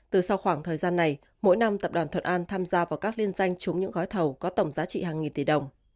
từ sau khoảng thời gian này mỗi năm tập đoàn thuận an tham gia vào các liên danh trúng những gói thầu có tổng giá trị hàng nghìn tỷ đồng